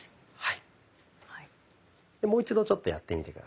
はい。